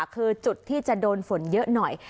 คือจุดที่จะโดนฝนเยอะหน่อย